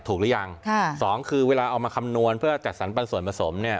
หรือยังค่ะสองคือเวลาเอามาคำนวณเพื่อจัดสรรปันส่วนผสมเนี่ย